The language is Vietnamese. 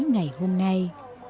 ngày hôm nay